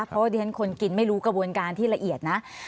เพราะว่าดิฉันคนกินไม่รู้กระบวนการที่ละเอียดนะ